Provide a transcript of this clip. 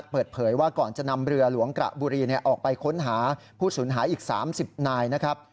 เปิดเผยว่าก่อนจะนำเรือหลวงกระบุรีออกไปค้นหาผู้สูญหายอีก๓๐นายนะครับ